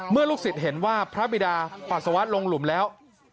ลูกศิษย์เห็นว่าพระบิดาปัสสาวะลงหลุมแล้ว